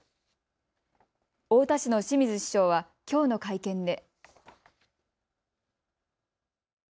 太田市の清水市長はきょうの会見で。